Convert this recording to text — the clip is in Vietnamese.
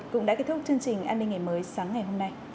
cũng đã kết thúc chương trình an ninh ngày mới sáng ngày hôm nay